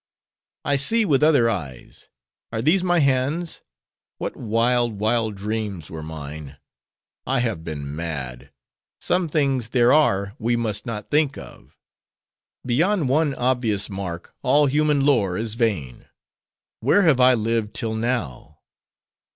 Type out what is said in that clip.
I see with other eyes:—Are these my hands? What wild, wild dreams were mine;—I have been mad. Some things there are, we must not think of. Beyond one obvious mark, all human lore is vain. Where have I lived till now?